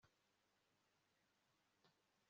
yihutira no kuzuza inkike ya yeruzalemu